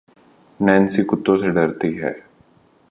Nancy کتّوں سے درتی ہے